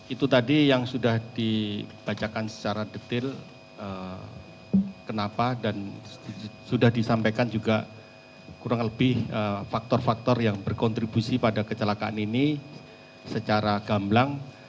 itu tadi yang sudah dibacakan secara detail kenapa dan sudah disampaikan juga kurang lebih faktor faktor yang berkontribusi pada kecelakaan ini secara gamblang